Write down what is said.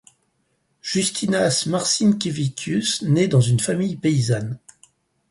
Justinas Marcinkevičius naît dans une famille paysanne.